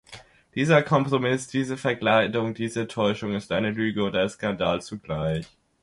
Dieser Kompromiss, diese Verkleidung, diese Täuschung ist eine Lüge und ein Skandal zugleich.